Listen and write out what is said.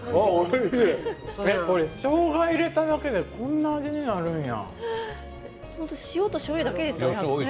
これ、しょうが入れるだけでこんなふうになるんだ。